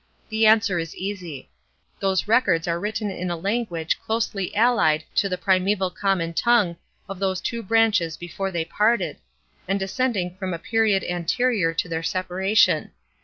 The answer is easy. Those records are written in a language closely allied to the primaeval common tongue of those two branches before they parted, and descending from a period anterior to their separation.